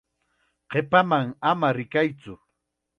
Qipaman ama rikaytsu.